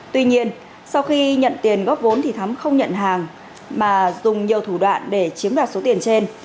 tuy nhiên sau khi nhận tiền góp vốn thì thắm không nhận hàng mà dùng nhiều thủ đoạn để chiếm đoạt số tiền trên